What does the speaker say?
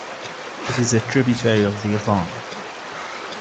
It is a tributary of the Avon.